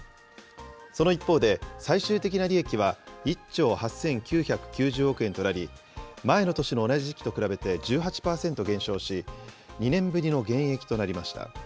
その一方で、最終的な利益は１兆８９９０億円となり、前の年の同じ時期と比べて１８％減少し、２年ぶりの減益となりました。